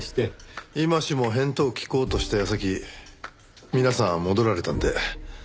今しも返答を聞こうとした矢先皆さん戻られたんで。